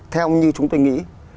theo như chúng tôi nghĩ